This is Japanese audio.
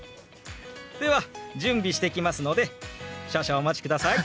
では準備してきますので少々お待ちください。